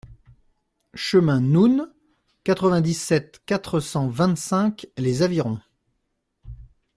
Chemin Noun, quatre-vingt-dix-sept, quatre cent vingt-cinq Les Avirons